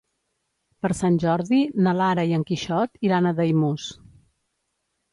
Per Sant Jordi na Lara i en Quixot iran a Daimús.